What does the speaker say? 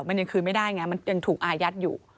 มันยังคืนไม่ได้ไงมันยังถูกอายัดอยู่